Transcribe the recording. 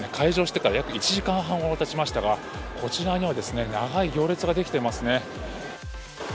今、会場してから約１時間半ほどたちましたがこちらには長い行列ができてますね。